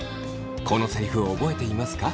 このセリフを覚えていますか？